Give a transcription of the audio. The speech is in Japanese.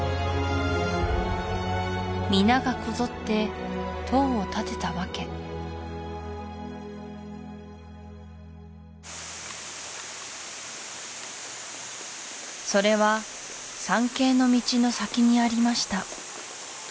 皆がこぞって塔を建てたわけそれは参詣の道の先にありました